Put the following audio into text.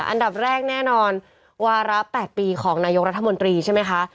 อันดับแรกแน่นอนวาระ๘ปีของนายกรัฐมนตรีใช่ไหมคะ